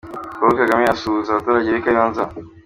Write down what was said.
Paul Kagame asuhuza abaturage b'i Kayonza.